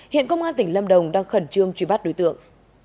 hiện công an tỉnh lâm đồng đang khẩn trương truy bắt đối tượng